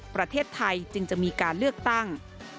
ประเทศไทยจึงจะมีการเลือกตั้ง